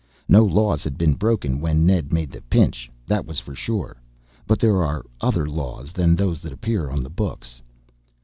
No laws had been broken when Ned made the pinch, that was for sure. But there are other laws than those that appear on the books.